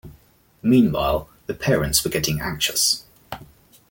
Meanwhile the parents were getting anxious.